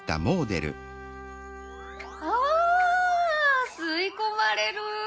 わ吸い込まれる！